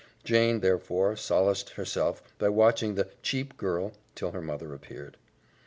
Jane, therefore, solaced herself by watching the "cheap girl" till her mother appeared.